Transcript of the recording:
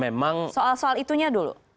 memang saya agak kurang setuju ketika ini